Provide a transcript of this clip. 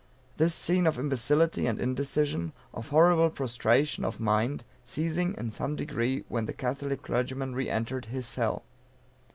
This scene of imbecility and indecision, of horrible prostration of mind, ceasing in some degree when the Catholic clergyman re entered his cell.